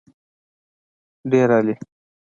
هاهاها ډېر عالي.